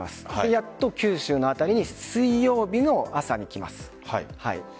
やっと九州の辺りに水曜日の朝に来ます。